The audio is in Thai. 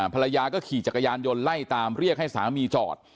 ภรรยาก็ขี่จักรยานยนต์ไล่ตามเรียกให้สามีจอด